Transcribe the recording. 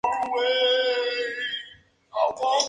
Una historia paralela titulada fue serializada por "Comic High!